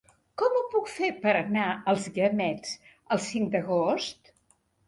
Com ho puc fer per anar als Guiamets el cinc d'agost?